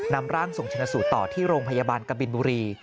นำร่างส่งชนะสูตรต่อที่โรงพยาบาลกบินบุรี